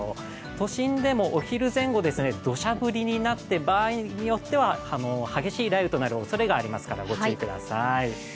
都心でもお昼前後、どしゃ降りになって場合によっては激しい雷雨となるおそれがありますから、ご注意ください。